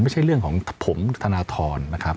คือเรื่องของผมธนทรนะครับ